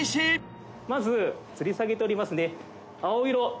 まずつり下げておりますね青色。